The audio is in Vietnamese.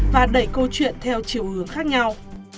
và đẩy câu chuyện theo chiều hướng khác nhau